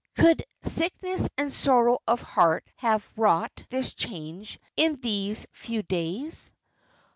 Could sickness and sorrow of heart have wrought this change in these few days?